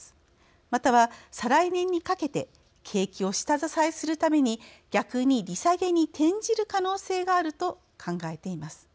または再来年にかけて景気を下支えするために逆に利下げに転じる可能性があると考えています。